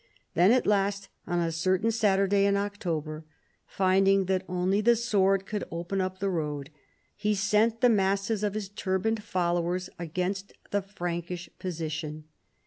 Then at last, on a certain Satur day in October, finding that only the sword coukl open up the road, he sent the masses of his turbaned followers against the Prankish position.